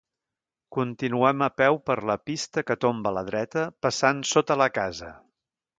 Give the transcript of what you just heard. Continuem a peu per la pista que tomba a la dreta, passant sota la casa.